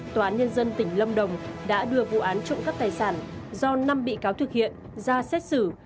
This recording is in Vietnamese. tòa án nhân dân tỉnh lâm đồng đã đưa vụ án trộm cắp tài sản do năm bị cáo thực hiện ra xét xử